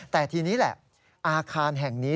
แต่ทีนี้แหละอาคารแห่งนี้